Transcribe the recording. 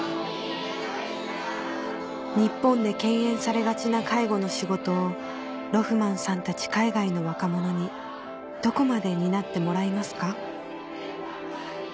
日本で敬遠されがちな介護の仕事をロフマンさんたち海外の若者にどこまで担ってもらいますか？